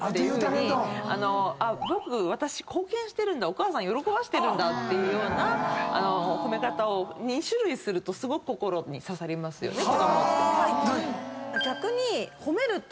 お母さん喜ばせてるんだっていうような褒め方を２種類するとすごく心に刺さりますよね。